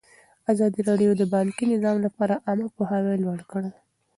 ازادي راډیو د بانکي نظام لپاره عامه پوهاوي لوړ کړی.